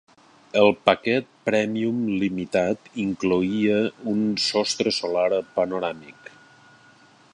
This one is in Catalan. El paquet "premium" limitat incloïa un sostre solar panoràmic.